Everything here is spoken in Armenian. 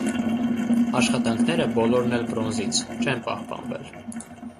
Աշխատանքները (բոլորն էք բրոնզից) չեն պահպանվել։